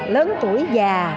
lớn tuổi già